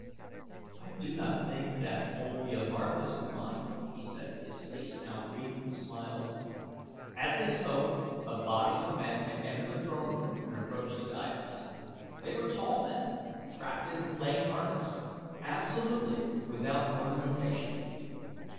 "I do not think that Olvia Marthis would mind," he said, his face now wreathed with smiles. As they spoke a body of men had entered the throne room and approached the dais. They were tall men trapped in plain harness, absolutely without ornamentation.